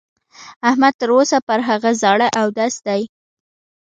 احمد تر اوسه پر هغه زاړه اودس دی.